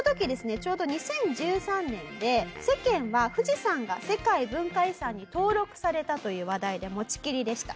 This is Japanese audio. ちょうど２０１３年で世間は富士山が世界文化遺産に登録されたという話題で持ちきりでした。